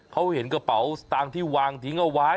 เขาเห็นกระเป๋าสตางค์ที่วางทิ้งเอาไว้